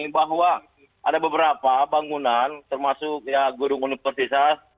bahwa ada beberapa bangunan termasuk gurung gurung persisah